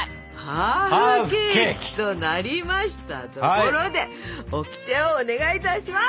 ハーフケーキとなりましたところでオキテをお願いいたします！